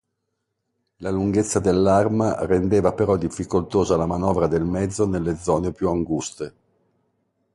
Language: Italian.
La lunghezza dell'arma rendeva però difficoltosa la manovra del mezzo nelle zone più anguste.